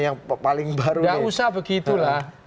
yang paling baru nggak usah begitu lah